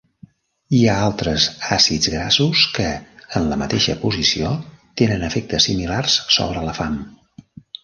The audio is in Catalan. Hi ha altres àcids grassos que, en la mateixa posició, tenen efectes similars sobre la fam.